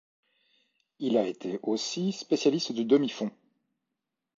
Il a été aussi spécialiste du demi-fond.